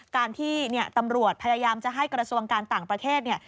การที่ตำรวจพยายามจะให้กระทรวงการต่างประเทศเนี่ย